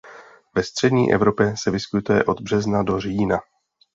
Ve střední Evropě se vyskytuje od března do října.